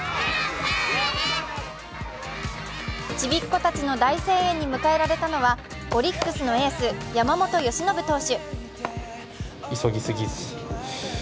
ちびっこたちの大声援に迎えられたのはオリックスのエース・山本由伸投手